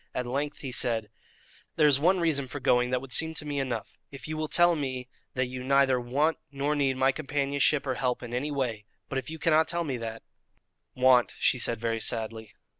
At length he said: "There is one reason for going that would seem to me enough: if you will tell me that you neither want nor need my companionship or help in any way; but if you cannot tell me that " "Want," she said very sadly.